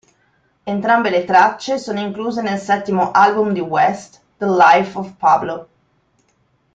Entrambe le tracce sono incluse nel settimo album di West, "The Life of Pablo".